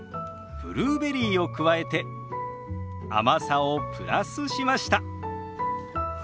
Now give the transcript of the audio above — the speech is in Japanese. ブルーベリーを加えて甘さをプラスしました。